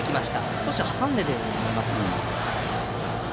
少し挟んでいるように見えます。